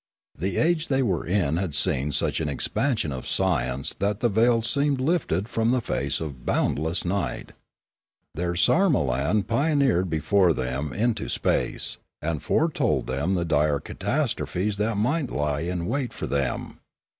The age they were in had seen such an expansion of science that the veil seemed lifted from the face of boundless night. Their sarmolan pioneered before them into space, and foretold them the dire catastrophes that might lie in wait for them.